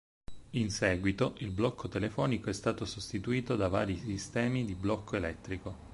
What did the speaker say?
In seguito, il blocco telefonico è stato sostituito da vari sistemi di blocco elettrico.